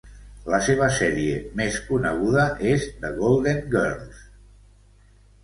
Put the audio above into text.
La seva sèrie més coneguda és "The Golden Girls".